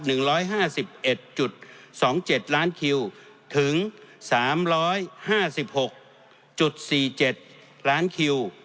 หนึ่งร้อยห้าสิบเอ็ดจุดสองเจ็ดล้านคิวถึงสามร้อยห้าสิบหกจุดสี่เจ็ดล้านคิว